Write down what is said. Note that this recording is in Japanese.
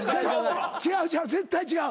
違うちゃう絶対違う。